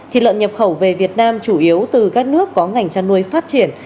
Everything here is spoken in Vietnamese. thịt lợn nhập khẩu về việt nam chủ yếu từ các nước có ngành chăn nuôi phát triển